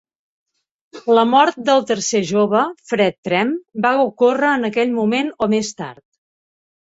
La mort del tercer jove, Fred Tremp, va ocórrer en aquell moment o més tard.